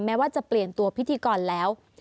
แม้ว่าจะเปลี่ยนตัวพิธีกรแล้ว